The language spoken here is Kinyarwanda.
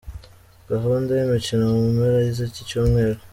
Gahunda y’imikino mu mpera z’iki Cyumweru.